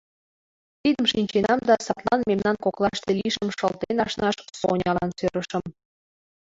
Тидым шинченам да садлан мемнан коклаште лийшым шылтен ашнаш Сонялан сӧрышым.